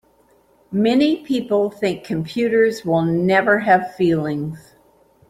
Many people think computers will never have feelings.